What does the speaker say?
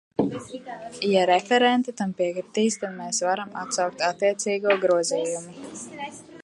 Ja referente tam piekritīs, tad mēs varam atsaukt attiecīgo grozījumu.